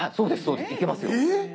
いけますよ。